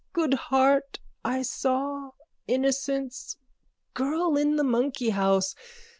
Good heart. I saw. Innocence. Girl in the monkeyhouse.